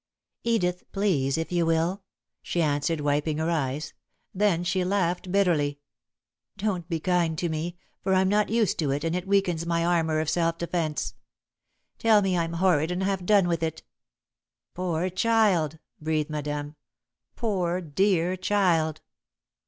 "Edith, please, if you will," she answered, wiping her eyes. Then she laughed bitterly. "Don't be kind to me, for I'm not used to it and it weakens my armour of self defence. Tell me I'm horrid and have done with it." "Poor child," breathed Madame. "Poor, dear child!"